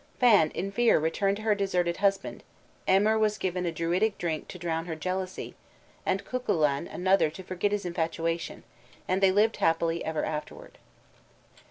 Fand in fear returned to her deserted husband, Emer was given a Druidic drink to drown her jealousy, and Cuchulain another to forget his infatuation, and they lived happily afterward.